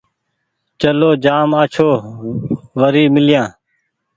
چلو جآم آڇو وري ميليآن ۔